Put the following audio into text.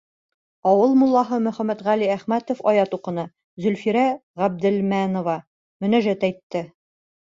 Ауыл муллаһы Мөхәмәтғәли Әхмәтов аят уҡыны, Зөлфирә Ғәбделмәнова мөнәжәт әйтте.